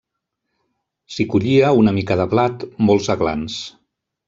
S'hi collia una mica de blat, molts aglans.